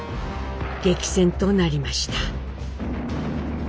激戦となりました。